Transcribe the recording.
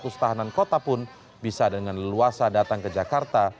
seratus tahanan kota pun bisa dengan leluasa datang ke jakarta